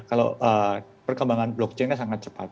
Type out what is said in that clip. kalau perkembangan blockchain nya sangat cepat